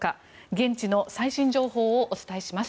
現地の最新情報をお伝えします。